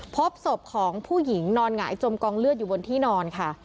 พบศพของผู้หญิงนอนหงายจมกองเลือดอยู่บนที่นอนค่ะ